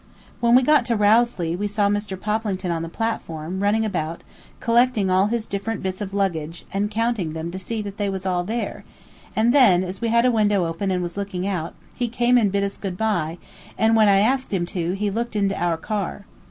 When we got to Rowsley we saw Mr. Poplington on the platform, running about, collecting all his different bits of luggage, and counting them to see that they was all there, and then, as we had a window open and was looking out, he came and bid us good by; and when I asked him to, he looked into our car.